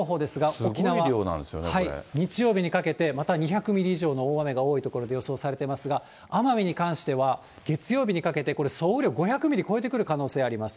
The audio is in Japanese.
沖縄、日曜日にかけてまた２００ミリ以上の大雨が多い所が予想されていますが、奄美に関しては、月曜日にかけてこれ、総雨量５００ミリ超えてくる可能性あります。